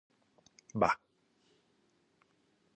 Μπα!